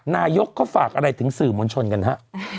นายกเขาฝากอะไรถึงสื่อมวลชนกันฮะ